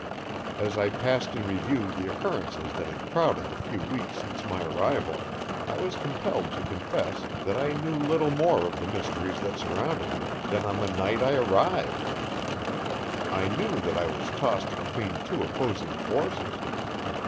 As I passed in review the occurrences that had crowded the few weeks since my arrival, I was compelled to confess that I knew little more of the mysteries that surrounded me than on the night I arrived. I knew that I was tossed between two opposing forces.